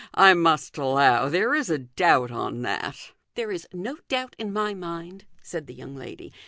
I must allow there is a doubt on that." " There is no doubt in my mind/' said the young lady.